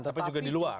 tapi juga di luar